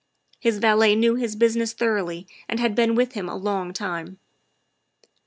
His valet knew his business thoroughly and had been with him a long time.